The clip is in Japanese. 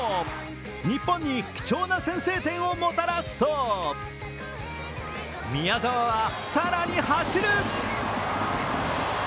日本に貴重な先制点をもたらすと宮澤は更に走る。